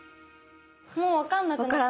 もう分かんなくなってきた。